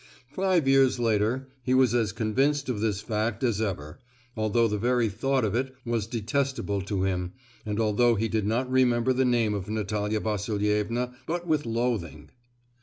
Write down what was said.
Five years later he was as convinced of this fact as ever, although the very thought of it was detestable to him, and although he did not remember the name of Natalia Vasilievna but with loathing.